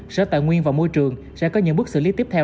sở tài nguyên và môi trường sẽ có những bước xử lý tiếp theo